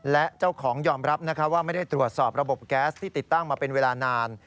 และเจ้าของยอมรับว่าไม่ได้ตรวจสอบระบบแก๊สที่ติดตั้งมาเป็นเวลานาน